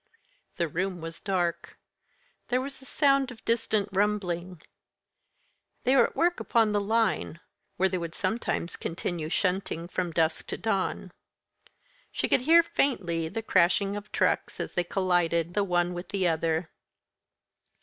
The room was dark. There was the sound of distant rumbling: they were at work upon the line, where they would sometimes continue shunting from dusk to dawn. She could hear, faintly, the crashing of trucks as they collided the one with the other.